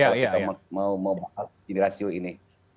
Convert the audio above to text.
kalau kita mau membahas ini rasio ini